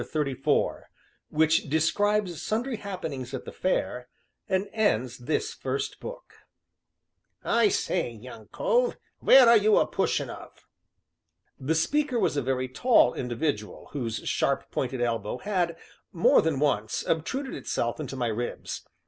CHAPTER XXXIV WHICH DESCRIBES SUNDRY HAPPENINGS AT THE FAIR, AND ENDS THIS FIRST BOOK "I say, young cove, where are you a pushing of?" The speaker was a very tall individual whose sharp pointed elbow had, more than once, obtruded itself into my ribs.